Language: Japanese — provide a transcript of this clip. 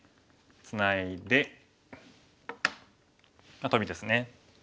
ツナいでトビですね。